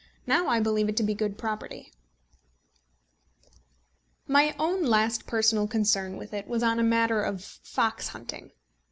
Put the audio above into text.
Now I believe it to be a good property. My own last personal concern with it was on a matter of fox hunting.